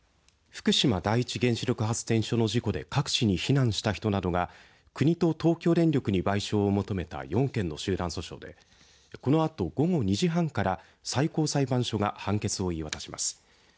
福島第一原子力発電所の事故で各地に避難した人などが国と東京電力に賠償を求めた４件の集団訴訟でこのあと午後２時半から最高裁判所が判決を言い渡します。